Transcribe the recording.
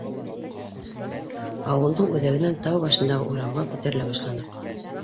Ауылдың үҙәгенән тау башындағы урамға күтәрелә башланыҡ.